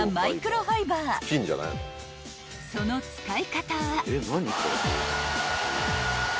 ［その使い方は］